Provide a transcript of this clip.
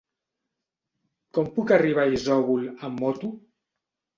Com puc arribar a Isòvol amb moto?